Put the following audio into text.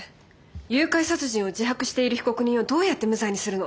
誘拐殺人を自白している被告人をどうやって無罪にするの？